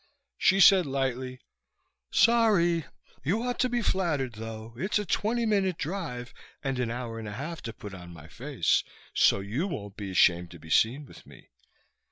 She said lightly, "Sorry. You ought to be flattered, though. It's a twenty minute drive and an hour and a half to put on my face, so you won't be ashamed to be seen with me.